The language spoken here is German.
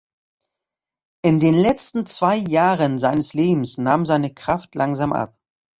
In den letzten zwei Jahren seines Lebens nahm seine Kraft langsam ab.